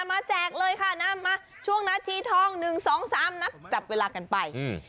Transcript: มาแจกเลยค่ะนับมาช่วงนาทีทอง๑๒๓นับจับเวลากันไป